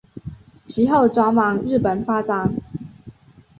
其后转往日本发展。